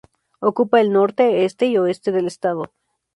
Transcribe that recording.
Ocupa el norte, este y oeste del estado.